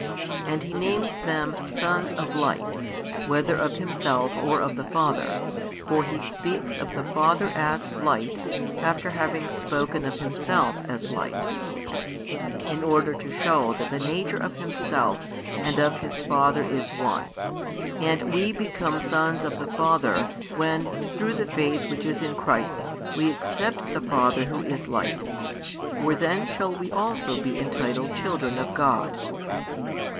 And He names them sons of Light whether of Himself or of the Father, for He speaks of the Father as Light after having spoken of Himself as Light in order to show that the Nature of Himself and of His Father is One: and we become sons of the Father, when, through the faith which is in Christ, we accept the Father Who is Light; for then shall we also be entitled children of God.